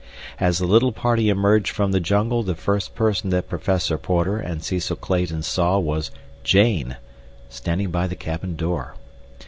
As the little party emerged from the jungle the first person that Professor Porter and Cecil Clayton saw was Jane, standing by the cabin door.